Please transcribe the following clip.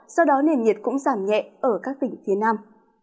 sau đó nền nhiệt cũng giảm nhẹ ở các tỉnh phía nam